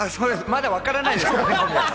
まだわからないです。